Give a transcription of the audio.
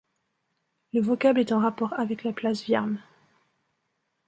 Le vocable est en rapport avec la place Viarme.